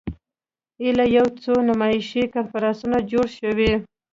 ایله یو څو نمایشي کنفرانسونه جوړ شوي.